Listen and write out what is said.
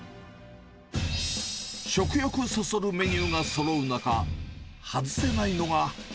食欲そそるメニューがそろう中、外せないのが。